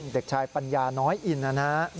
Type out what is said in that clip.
เด็กชายปัญญาน้อยอินนะฮะ